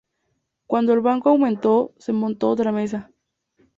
Cuando el banco aumentó, se montó otra mesa.